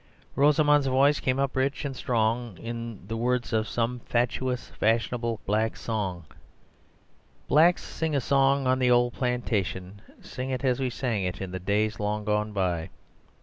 Rosamund's voice came up rich and strong in the words of some fatuous, fashionable coon song:— "Darkies sing a song on the old plantation, Sing it as we sang it in days long since gone by."